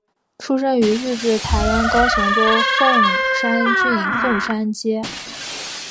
出生于日治台湾高雄州凤山郡凤山街。